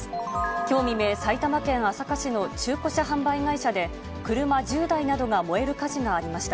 きょう未明、埼玉県朝霞市の中古車販売会社で車１０台などが燃える火事がありました。